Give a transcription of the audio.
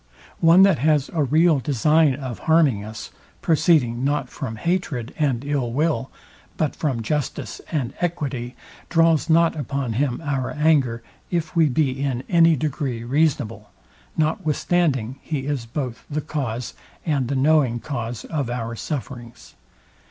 One that has a real design of harming us, proceeding not from hatred and ill will, but from justice and equity, draws not upon him our anger, if we be in any degree reasonable; notwithstanding he is both the cause, and the knowing cause of our sufferings.